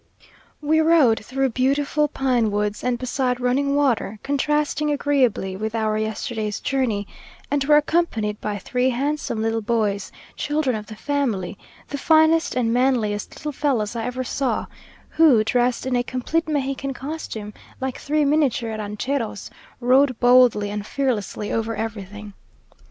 We rode through beautiful pine woods and beside running water, contrasting agreeably with our yesterday's journey; and were accompanied by three handsome little boys, children of the family, the finest and manliest little fellows I ever saw, who, dressed in a complete Mexican costume, like three miniature rancheros, rode boldly and fearlessly over everything.